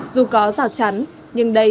dù có rào chắn nhưng đây